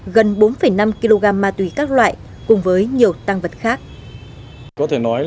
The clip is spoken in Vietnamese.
gần bốn năm kg ma túy các loại cùng với nhiều tăng vật khác